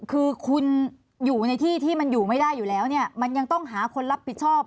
คือคุณอยู่ในที่ที่มันอยู่ไม่ได้อยู่แล้วเนี่ยมันยังต้องหาคนรับผิดชอบ